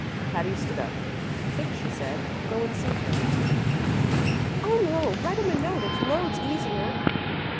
Patty stood up. "I think," she said, "I'll go and see him." "Oh, no. Write him a note. It's loads easier."